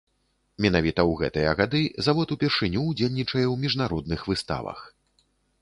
Менавіта ў гэтыя гады завод упершыню ўдзельнічае ў міжнародных выставах.